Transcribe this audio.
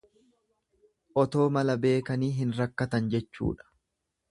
Otoo mala beekani hin rakkatan jechuudha.